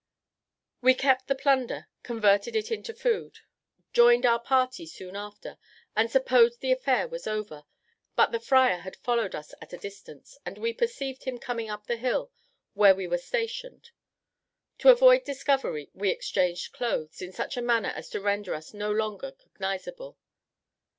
We kept the plunder converted it into food joined our party soon after, and supposed the affair was over; but the friar had followed us at a distance, and we perceived him coming up the hill where we were stationed. To avoid discovery we exchanged clothes, in such a manner as to render us no longer cognizable.